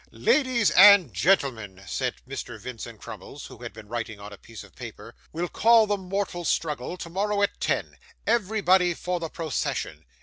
'Ladies and gentlemen,' said Mr. Vincent Crummles, who had been writing on a piece of paper, 'we'll call the Mortal Struggle tomorrow at ten; everybody for the procession.